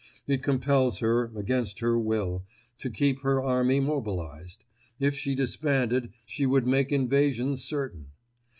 It compels her, against her will, to keep her army mobilised; if she disbanded, she would make invasion certain.